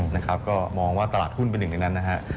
นะครับก็มองว่าตลาดหุ้นเป็นหนึ่งหนึ่งหนึ่งนะครับ